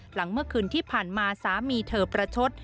หลังเมื่อคืนที่ผ่านมาสามีเธอประชด